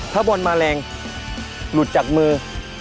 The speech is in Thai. ถ้าบอลมาแรงหลุดจากมือ